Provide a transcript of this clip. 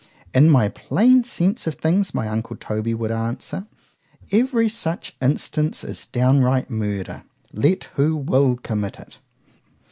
In my plain sense of things, my uncle Toby would answer,—every such instance is downright MURDER, let who will commit it.